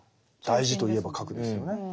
大事といえば核ですよね。